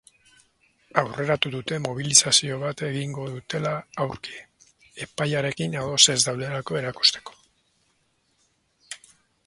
Aurreratu dute mobilizazio bat egingo dutela aurki, epaiarekin ados ez daudela erakusteko.